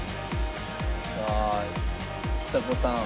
さあちさ子さん